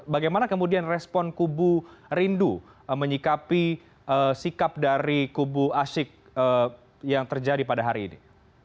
bagaimana kemudian respon kubu rindu menyikapi sikap dari kubu asyik yang terjadi pada hari ini